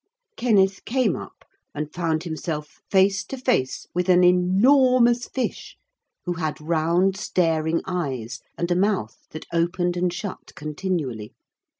Kenneth came up and found himself face to face with an enormous fish who had round staring eyes and a mouth that opened and shut continually.